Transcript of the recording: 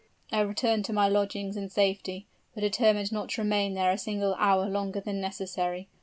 "I returned to my lodgings in safety, but determined not to remain there a single hour longer than necessary.